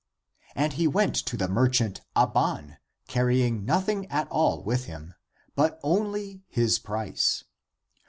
And he went to the merchant Abban, carrying noth ing at all with him, but only his price.